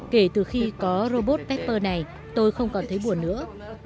kể từ khi có robot pesper này tôi không còn thấy buồn nữa